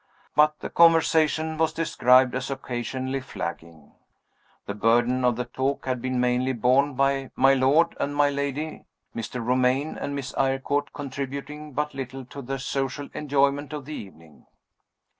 But the conversation was described as occasionally flagging. The burden of the talk had been mainly borne by my lord and my lady, Mr. Romayne and Miss Eyrecourt contributing but little to the social enjoyment of the evening.